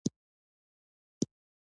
د غرونو په منځ کې غارې پاملرنه راجلبوي.